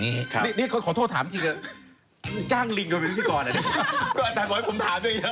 ปฏิเสธเขาอยู่นิ่งมากนะคะวันนี้อาจารย์ลักษณ์มาพิเศษมากยุคยิ่งตลอดเลย